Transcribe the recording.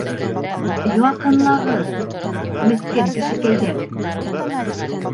Яҡынлағыҙ, меҫкен кешекәйҙәр!